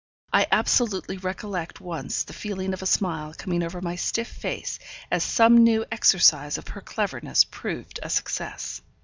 I absolutely recollect once the feeling of a smile coming over my stiff face as some new exercise of her cleverness proved a success.